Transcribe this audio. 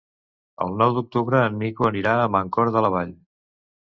El nou d'octubre en Nico anirà a Mancor de la Vall.